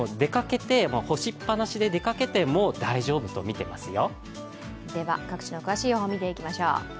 干しっぱなしで出かけても大丈夫とみてますよ。